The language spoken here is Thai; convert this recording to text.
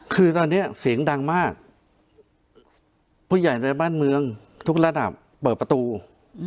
คือตอนนี้เสียงดังมากผู้ใหญ่ในบ้านเมืองทุกระดับเปิดประตู